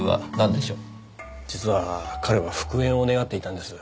実は彼は復縁を願っていたんです。